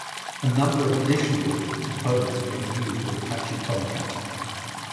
A number of additional components may be used with Apache Tomcat.